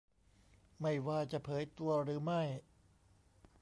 ไม่ว่าจะเผยตัวหรือไม่